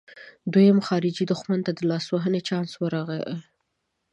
دویم خارجي دښمن ته د لاسوهنې چانس ورغلی.